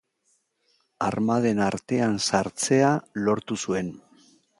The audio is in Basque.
Armaden artean sartzea lortu zuen.